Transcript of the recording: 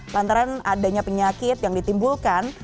lantaran adanya penyakit yang ditimbulkan